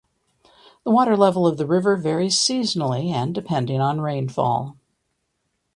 The water level of the river varies seasonally and depending on rainfall.